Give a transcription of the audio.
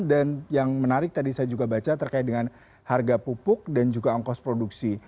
dan yang menarik tadi saya juga baca terkait dengan harga pupuk dan juga angkos produksi